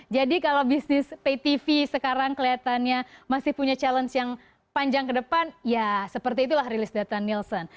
jadi kalau bisnis pay tv sekarang kelihatannya masih punya challenge yang panjang ke depan ya seperti itulah rilis data nielsen